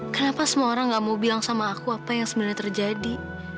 kenapa semua orang gak mau bilang sama aku apa yang sebenarnya terjadi